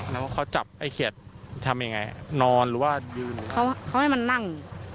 แล้วเขาจับไอ้เขียดทำยังไงนอนหรือว่ายืนเขาเขาให้มันนั่ง